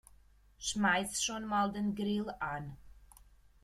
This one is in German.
Schmeiß schon mal den Grill an.